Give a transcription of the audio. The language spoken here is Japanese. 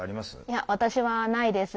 いや私はないです。